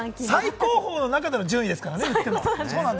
最高峰の中での順位ですからね。